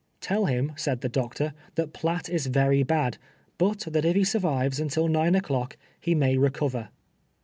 Tell him, said the doctor, that Piatt is yery bad, but that if he survives until nine o'clock, he may recoyer.